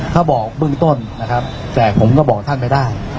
เขาบอกเบื้องต้นนะครับแต่ผมก็บอกท่านไม่ได้